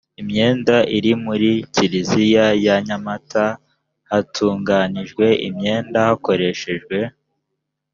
imyenda iri muri kiliziya ya nyamata hatunganijwe imyenda hakoreshejwe